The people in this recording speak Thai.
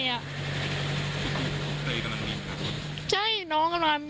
คุณคิดว่าใครกำลังมีด้านนี้